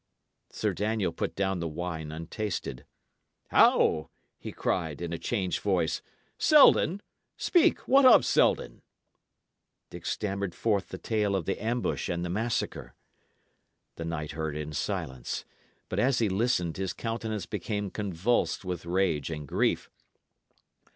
Sir Daniel put down the wine untasted. "How!" he cried, in a changed voice. "Selden? Speak! What of Selden?" Dick stammered forth the tale of the ambush and the massacre. The knight heard in silence; but as he listened, his countenance became convulsed with rage and grief.